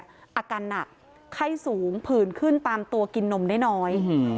อาการหนักไข้สูงผื่นขึ้นตามตัวกินนมได้น้อย